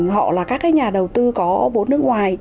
họ là các nhà đầu tư có bốn nước ngoài